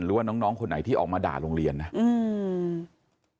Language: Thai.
หรือว่าน้องคนไหนที่ออกมาด่าโรงเรียนน่ะ